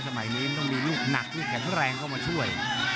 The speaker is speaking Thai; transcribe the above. สมัยนี้มันต้องมีลูกหนักลูกแข็งแรงเข้ามาช่วย